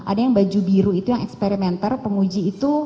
ada yang baju biru itu yang eksperimenter penguji itu